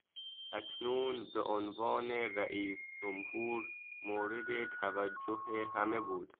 اکنون به عنوان رئیس جمهور مورد توجه همه بود.